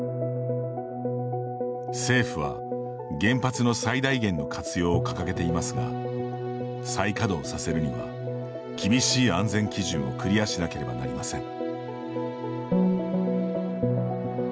政府は原発の最大限の活用を掲げていますが再稼働させるには厳しい安全基準をクリアしなければなりません。